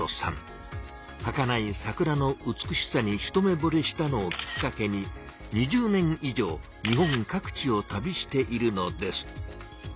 はかない桜の美しさに一目ぼれしたのをきっかけに２０年以上日本各地を旅しているのです。